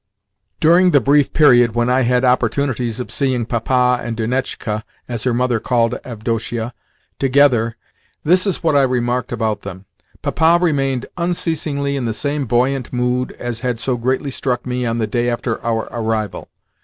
During the brief period when I had opportunities of seeing Papa and Dunetchka (as her mother called Avdotia) together, this is what I remarked about them. Papa remained unceasingly in the same buoyant mood as had so greatly struck me on the day after our arrival.